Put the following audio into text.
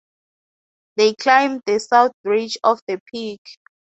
They climbed the south ridge of the peak.